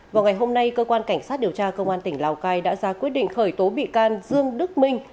vào ngày hôm nay cơ quan cảnh sát điều tra công an tỉnh lào cai đã ra quyết định khởi tố bị can dương đức minh